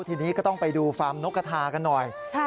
ทีนี้ก็ต้องไปดูฟาร์มนกกระทากันหน่อย